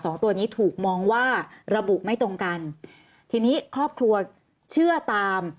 สองตัวนี้ถูกมองว่าระบุไม่ตรงกันทีนี้ครอบครัวเชื่อตาม